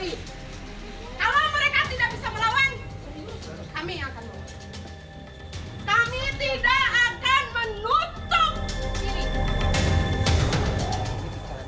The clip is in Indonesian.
kami tidak akan menutup pilih